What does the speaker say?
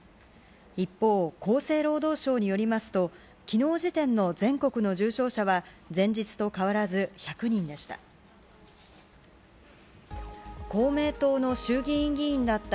一方、厚生労働省によりますと昨日時点の全国の重症者は前日と変わらず１００人でした。